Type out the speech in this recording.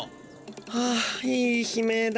ああいい悲鳴だ。